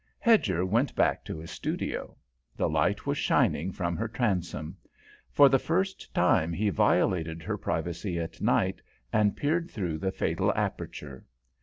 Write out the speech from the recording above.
Hedger went back to his studio. The light was shining from her transom. For the first time he violated her privacy at night, and peered through that fatal aperture.